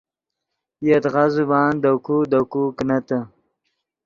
یدغا زبان دے کو دے کو کینتے